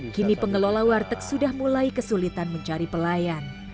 kini pengelola warteg sudah mulai kesulitan mencari pelayan